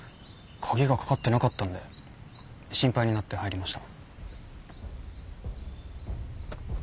鍵がかかってなかったんで心配になって入りました。